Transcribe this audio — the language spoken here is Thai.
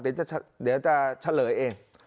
เดี๋ยวจะเฉลยเอง